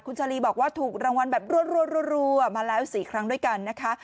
คุณชาลีบอกว่าถูกรางวัลแบบรัวมาแล้ว๔ครั้งด้วยกันนะคะ